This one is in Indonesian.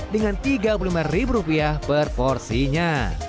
dengan rp tiga puluh lima per porsinya